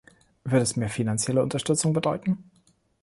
Würde es mehr finanzielle Unterstützung bedeuten?